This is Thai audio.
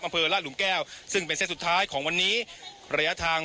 อำเภอราชหลุมแก้วซึ่งเป็นเส้นสุดท้ายของวันนี้ระยะทาง